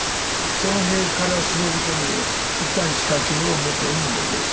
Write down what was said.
その塀から忍び込み一旦仕掛けを元に戻す。